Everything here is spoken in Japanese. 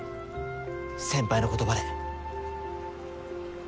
先輩の言葉で。